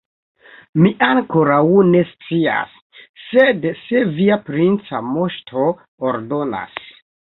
Mi ankoraŭ ne scias; sed se via princa moŝto ordonas.